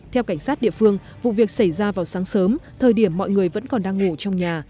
theo cảnh sát địa phương vụ việc xảy ra vào sáng sớm thời điểm mọi người vẫn còn đang ngủ trong nhà